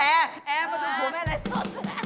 แอร์แอร์มาดูขวังแม่นายสด